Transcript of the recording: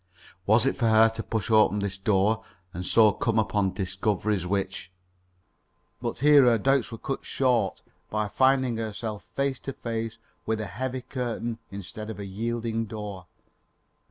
Was it for her to push open this door, and so come upon discoveries which But here her doubts were cut short by finding herself face to face with a heavy curtain instead of a yielding door.